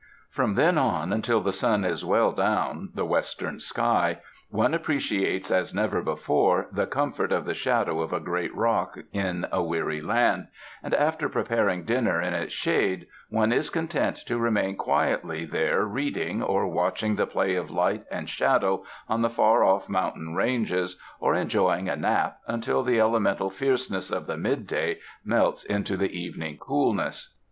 From then on until the sun is well down the western sky, one ap preciates as never before the comfort of the shadow of a great rock in a weary land; and after prepar ing dinner in its shade one is content to remain quietly there reading, or watching the play of light and shadow on the far off mountain ranges, or en joying a nap, until the elemental fierceness of the midday melts into the evening coolness.